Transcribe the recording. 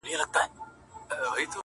هم ښکنځلي پکښي وسوې هم جنګونه،